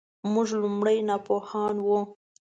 موږ لومړی ناپوهان وو .